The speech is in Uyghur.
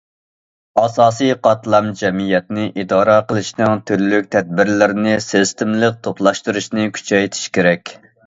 ئاساسىي قاتلام جەمئىيەتنى ئىدارە قىلىشنىڭ تۈرلۈك تەدبىرلىرىنى سىستېمىلىق توپلاشتۇرۇشنى كۈچەيتىش كېرەك.